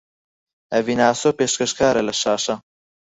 ئەڤین ئاسۆ پێشکەشکارە لە شاشە